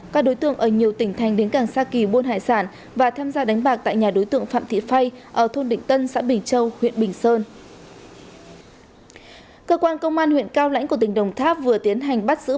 các đối tượng ở nhiều tỉnh thành đến càng sa kỳ buôn hải sản và tham gia đánh bạc tại nhà đối tượng phạm thị phay ở thôn định tân xã bình châu huyện bình sơn